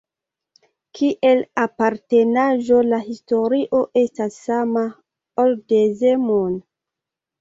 Kiel apartenaĵo, la historio estas sama, ol de Zemun.